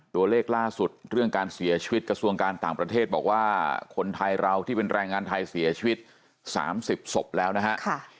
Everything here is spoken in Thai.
ตัวเลขล่าสุดเรื่องการเสียชีวิตกระทรวงการต่างประเทศบอกว่าคนไทยเราที่เป็นแรงงานไทยเสียชีวิต๓๐ศพแล้วนะฮะ